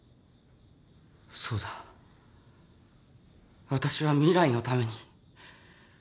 そうだ私は未来のために。